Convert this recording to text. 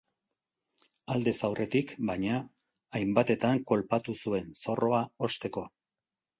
Aldez aurretik, baina, hainbatetan kolpatu zuen, zorroa osteko.